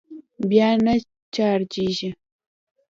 بيا نه چارجېږي.